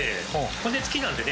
骨付きなんでね